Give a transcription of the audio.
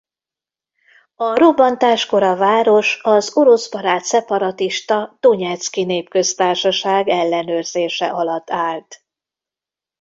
A robbantáskor a város az oroszbarát szeparatista Donyecki Népköztársaság ellenőrzése alatt állt.